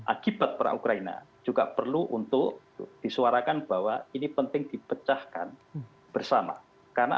akibat perang ukraina juga perlu untuk disuarakan bahwa ini penting dipecahkan bersama karena